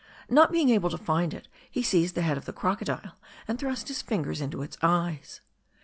Not being able to find it, he seized the head of the crocodile and thrust his fingers into its eyes.